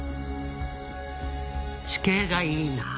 死刑がいいなあ。